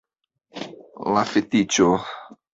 La fetiĉo!